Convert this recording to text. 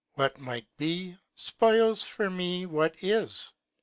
What might be, 'spoils for me what is.